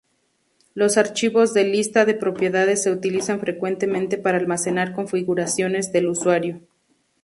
Los archivos de lista de propiedades se utilizan frecuentemente para almacenar configuraciones del usuario.